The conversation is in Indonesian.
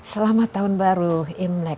selamat tahun baru imlek